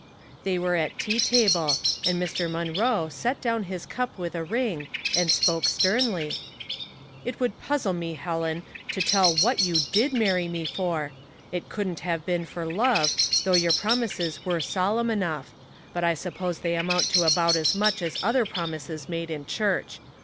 They were at the tea table, and Mr. Mun roe set down his cup with a ring, and spoke Bternly, — 292 A Discussion Closed, 293 " It would puzzle rae, Helen, to tell what you did marry me for. It couldn't have been for love, though your promises were solemn enough; but I suppose they amount to about as much as other promises made in cliurch.